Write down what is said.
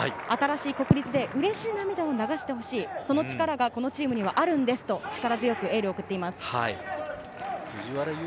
新しい国立でうれしい涙を流してほしい、その力がこのチームにはあるんですと力強くエールを送っています。